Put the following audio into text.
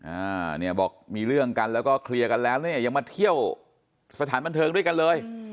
อ่าเนี่ยบอกมีเรื่องกันแล้วก็เคลียร์กันแล้วเนี่ยยังมาเที่ยวสถานบันเทิงด้วยกันเลย